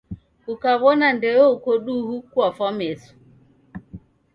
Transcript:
Kukaw'ona ndeyo uko duhu kwafwa meso.